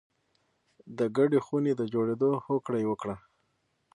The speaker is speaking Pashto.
د ګډې خونې د جوړېدو هوکړه یې وکړه